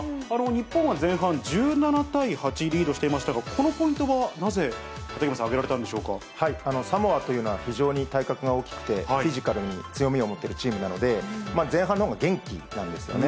日本は前半、１７対８でリードしていましたが、このポイントは、なぜ、畠山さん、挙げられたんでサモアというのは、非常に体格が大きくてフィジカルに強みを持ってるチームなので、前半のほうが元気なんですよね。